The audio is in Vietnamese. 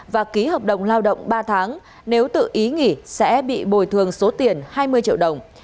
và ký hợp đồng lao động ba tháng nếu tự ý nghỉ sẽ bị bồi thường số tiền hai mươi triệu đồng